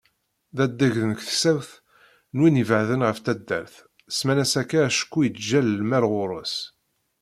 D adeg n teksawt d win ibeεden ɣef taddart, semman-as akka acku yettjal lmal ɣur-s.